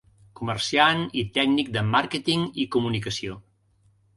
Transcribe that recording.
Comerciant i tècnic de màrqueting i comunicació.